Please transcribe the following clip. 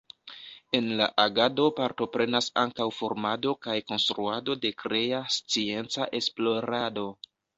En la agado partoprenas ankaŭ formado kaj konstruado de krea scienca esplorado.